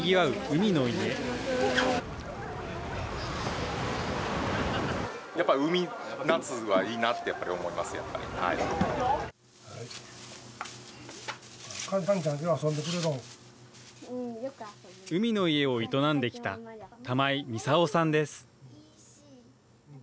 海の家を営んできた玉井操さんです。